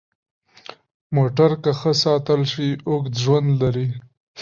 موټر که ښه ساتل شي، اوږد ژوند لري.